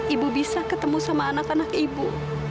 ibu bisa ketemu sama anak anak ibu